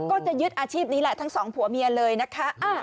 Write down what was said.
ก็จะยึดอาชีพนี้แหละทั้งสองผัวเมียเลยนะคะ